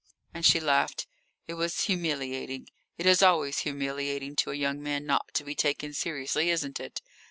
And she laughed! It was humiliating; it is always humiliating to a young man not to be taken seriously, isn't it?